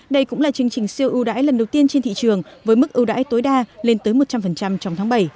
đây cũng là chương trình siêu ưu đãi lần đầu tiên trên thị trường với mức ưu đãi tối đa lên tới một trăm linh trong tháng bảy